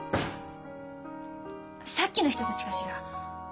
さっきの人たちかしら？